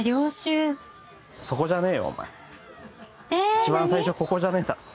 一番最初ここじゃねえだろ！